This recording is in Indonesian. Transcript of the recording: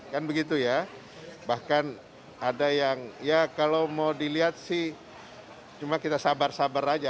kan begitu ya bahkan ada yang ya kalau mau dilihat sih cuma kita sabar sabar aja